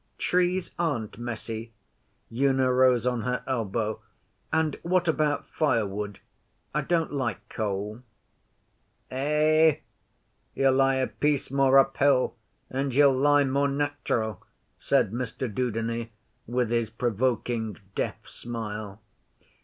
'Trees aren't messy.' Una rose on her elbow. 'And what about firewood? I don't like coal.' 'Eh? You lie a piece more uphill and you'll lie more natural,' said Mr Dudeney, with his provoking deaf smile.